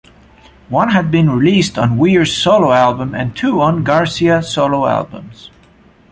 One had been released on Weir's solo album, and two on Garcia solo albums.